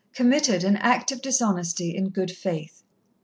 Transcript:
committed an act of dishonesty in good faith.